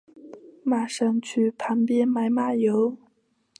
马上去旁边买马油